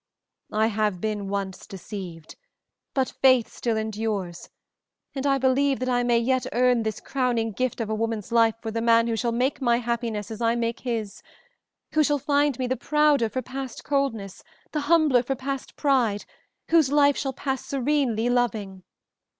I have been once deceived, but faith still endures, and I believe that I may yet earn this crowning gift of a woman's life for the man who shall make my happiness as I make his who shall find me the prouder for past coldness, the humbler for past pride whose life shall pass serenely loving.